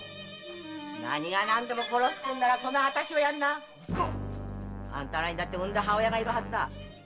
何が何でも殺すってんならこのあたしを殺んな！あんたらにだって生んだ母親がいるはずだ。